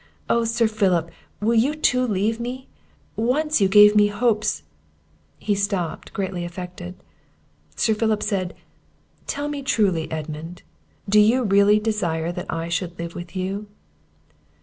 Oh, Sir Philip! will you too leave me? once you gave me hopes " He stopped greatly affected. Sir Philip said, "Tell me truly, Edmund, do you really desire that I should live with you?"